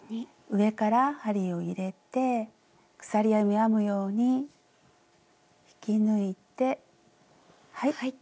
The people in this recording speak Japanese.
上から針を入れて鎖編みを編むように引き抜いてはい。